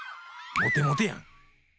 モテモテやん！